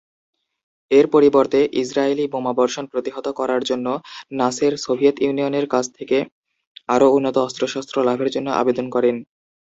এর পরিবর্তে ইসরায়েলি বোমাবর্ষণ প্রতিহত করার জন্য নাসের সোভিয়েত ইউনিয়নের কাছ থেকে আরো উন্নত অস্ত্রশস্ত্র লাভের জন্য আবেদন করেন।